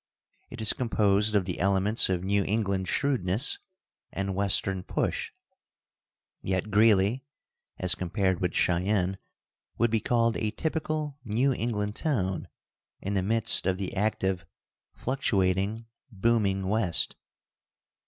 It is composed of the elements of New England shrewdness and Western push, yet Greeley as compared with Cheyenne would be called a typical New England town in the midst of the active, fluctuating, booming West.